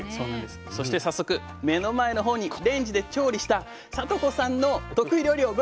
そして早速目の前のほうにレンジで調理した智子さんの得意料理をご用意しました。